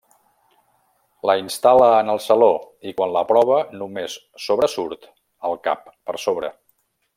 La instal·la en el saló i quan la prova només sobresurt el cap per sobre.